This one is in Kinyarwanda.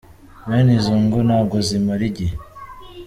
Bene izo ngo ntabwo zimara igihe”.